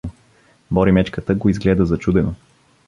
Боримечката го изгледа зачудено.